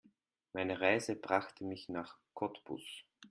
Meine Reise brachte mich nach Cottbus